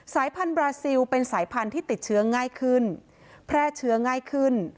พันธุบราซิลเป็นสายพันธุ์ที่ติดเชื้อง่ายขึ้นแพร่เชื้อง่ายขึ้น